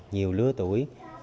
nhiều lứa tuổi